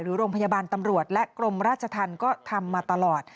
โรงพยาบาลตำรวจและกรมราชธรรมก็ทำมาตลอด